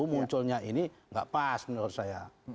munculnya ini nggak pas menurut saya